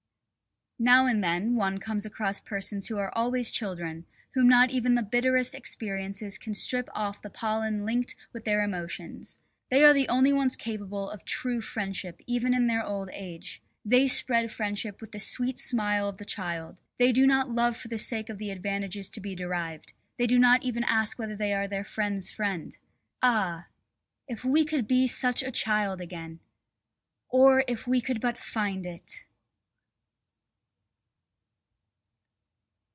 Now and then one comes across persons who are always children, whom not even the bitterest experiences can strip off the pollen linked with their emotions. They are the only ones capable of true friendship even in their old age. They spread friendship with the sweet smile of the child; they do not love for the sake of the advantages to be derived; they do not even ask whether they are their friends' friend. Ah! If we could be such a child again! Or if we could but find it!